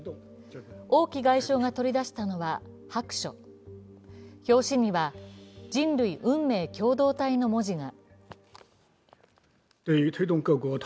王毅外相が取り出したのは白書、表紙には「人類運命共同体」の文字が。